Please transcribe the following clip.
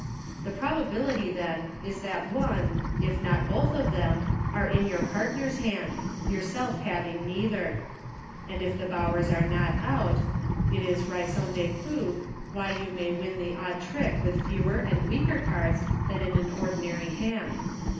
The probability then is that one, if not both of them, are in your partner's hand, yourself having neither. And if the Bowers are not out, it is raison de plus why you may win the odd trick with fewer and weaker cards than in an ordinary hand.